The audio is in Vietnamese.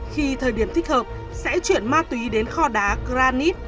khi thời điểm thích hợp sẽ chuyển ma túy đến kho đá granite